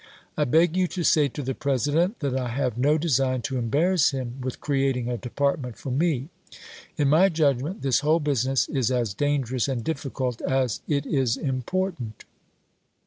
I beg you to say to the President that I have no design to embarrass him with creating a Department for me. In my judgment this whole business is as dangerous and difficult as it is important.